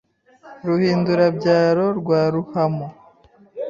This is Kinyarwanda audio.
Ruhindurabyaro rwa Ruhamo